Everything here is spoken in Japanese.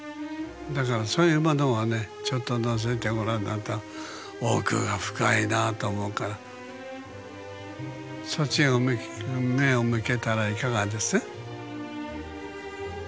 だからそういうものをねちょっとのぞいてご覧になると奥が深いなあって思うからそっちを目を向けたらいかがです？